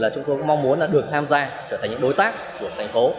chúng tôi cũng mong muốn được tham gia trở thành những đối tác của thành phố